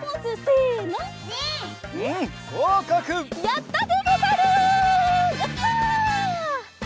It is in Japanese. やった！